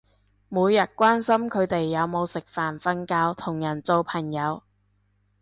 每日關心佢哋有冇食飯瞓覺同人做朋友